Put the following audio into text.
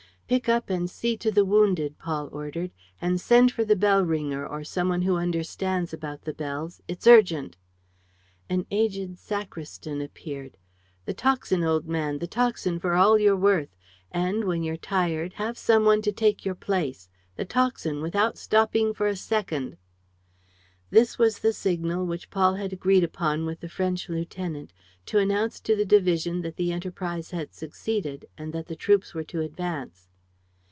"Pick up and see to the wounded," Paul ordered. "And send for the bell ringer, or some one who understands about the bells. It's urgent!" An aged sacristan appeared. "The tocsin, old man, the tocsin for all you're worth! And, when you're tired, have some one to take your place! The tocsin, without stopping for a second!" This was the signal which Paul had agreed upon with the French lieutenant, to announce to the division that the enterprise had succeeded and that the troops were to advance.